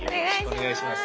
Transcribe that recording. お願いします。